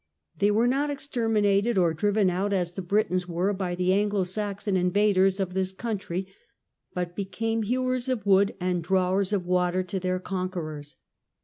They were not exterminated or driven out, as the Britons were by the Anglo Saxon invaders of this country, but became "hewers of wood and drawers of water" to their con querors.